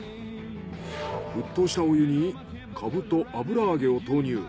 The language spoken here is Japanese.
沸騰したお湯にかぶと油揚げを投入。